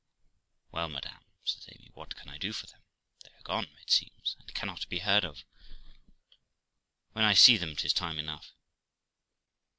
Well, madam', says Amy, 'what can I do for them? They are gone, it seems, and cannot be heard of. When I see them 'tis time enough.'